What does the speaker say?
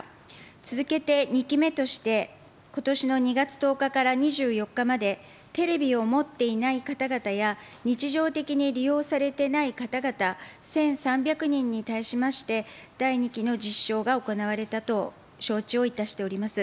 続けて２期目として、ことしの２月１０日から２４日まで、テレビを持っていない方々や、日常的に利用されてない方々、１３００人に対しまして、第２期の実証が行われたと承知をいたしております。